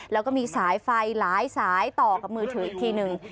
แล้วก็มีสายไฟหลายสายต่อกับมือถืออีกทีหนึ่ง